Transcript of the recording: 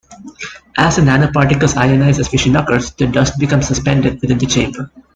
As the nanoparticles ionize as fission occurs, the dust becomes suspended within the chamber.